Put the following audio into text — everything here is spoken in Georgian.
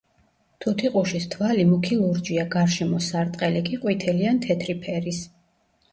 თუთიყუშის თვალი მუქი ლურჯია, გარშემო სარტყელი კი ყვითელი ან თეთრი ფერის.